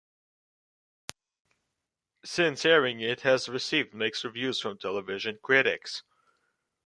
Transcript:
Since airing, it has received mixed reviews from television critics.